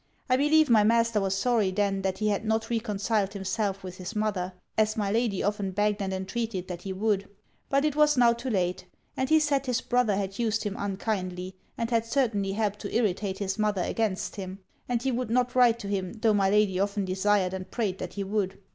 I believe my master was sorry then that he had not reconciled himself with his mother, as my lady often begged and entreated that he would; but it was now too late; and he said his brother had used him unkindly, and had certainly helped to irritate his mother against him; and he would not write to him tho' my lady often desired and prayed that he would.